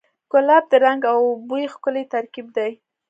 ګلاب د رنګ او بوی ښکلی ترکیب دی.